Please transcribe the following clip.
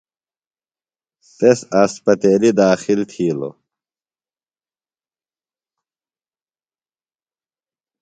تس اسپتیلیۡ داخل تِھیلوۡ۔